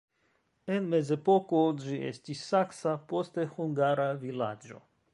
En mezepoko ĝi estis saksa, poste hungara vilaĝo.